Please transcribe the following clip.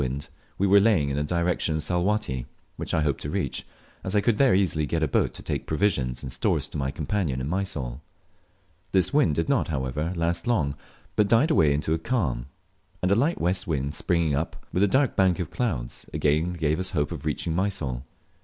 wind we were laying in the direction of Salwatty, which I hoped to reach, as I could there easily get a boat to take provisions and stores to my companion in Mysol. This wind did not, however, last long, but died away into a calm; and a light west wind springing up, with a dark bank of clouds, again gave us hopes of reaching Mysol.